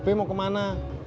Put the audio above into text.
be mau kemana